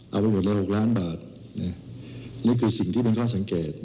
เอาไปหมดแล้ว๖ล้านบาทนี่ก็คือสิ่งที่เขาสังเกต